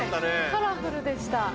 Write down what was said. カラフルでした。